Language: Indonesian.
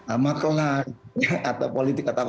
amat lah atau politik atau apa